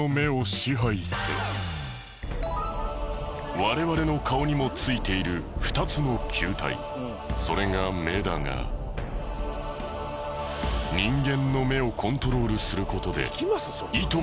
我々の顔にも付いている２つの球体それが目だが人間の目をコントロールする事でいとも